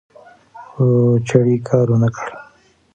خو چړې کار ونکړ